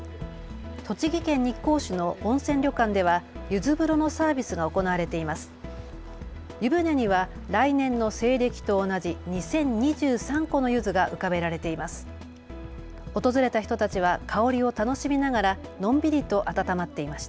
栃木県日光市の温泉旅館ではゆず風呂のサービスが行われています。